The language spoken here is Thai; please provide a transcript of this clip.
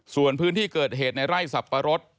ส่วนพื้นที่เกิดเหตุในไร่สับปะรด